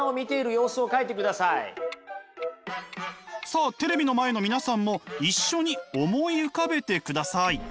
さあテレビの前の皆さんも一緒に思い浮かべてください。